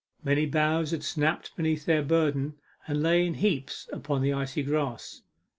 Many boughs had snapped beneath their burden, and lay in heaps upon the icy grass.